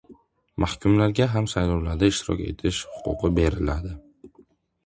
Mahkumlarga ham saylovlarda ishtirok etish huquqi beriladi